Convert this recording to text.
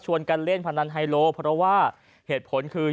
กันเล่นพนันไฮโลเพราะว่าเหตุผลคือ